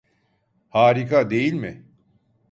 Harika, değil mi?